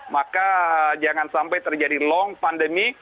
maka jangan sampai terjadi long pandemi